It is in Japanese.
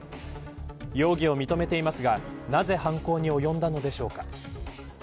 容疑を認めていますがなぜ犯行におよんだのでしょうか。